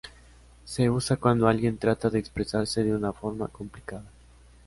Se usa cuando alguien trata de expresarse de una forma complicada.